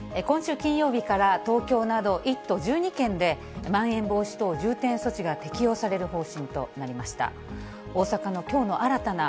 今週金曜日から東京など１都１２県で、まん延防止等重点措置が適用される方針となりました。